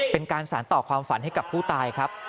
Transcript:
เป็นการสารต่อความฝันให้กับผู้ตายครับ